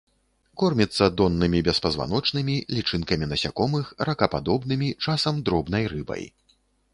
Корміцца доннымі беспазваночнымі, лічынкамі насякомых, ракападобнымі, часам дробнай рыбай.